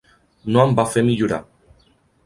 No em va fer millorar.